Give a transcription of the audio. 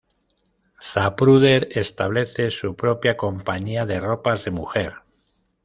Zapruder establece su propia compañía de ropas de mujer.